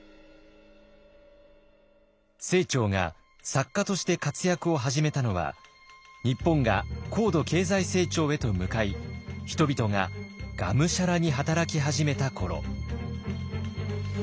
清張が作家として活躍を始めたのは日本が高度経済成長へと向かい人々ががむしゃらに働き始めた頃。